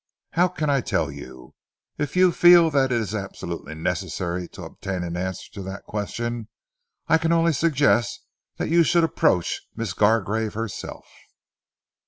"How can I tell you? If you feel that it is absolutely necessary to obtain an answer to that question, I can only suggest that you should approach Miss Gargrave herself."